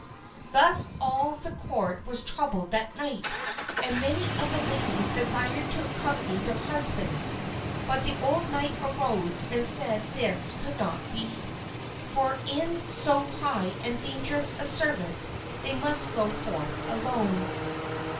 Thus all the court was troubled that night, and many of the ladies desired to accompany their husbands; but an old knight arose and said this could not be, for in so high and dangerous a service they must go forth alone.